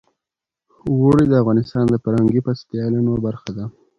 اوړي د افغانستان د فرهنګي فستیوالونو برخه ده.